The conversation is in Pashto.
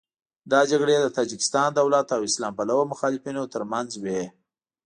دا جګړې د تاجکستان دولت او اسلام پلوه مخالفینو تر منځ وې.